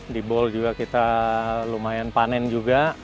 di bol juga kita lumayan panen juga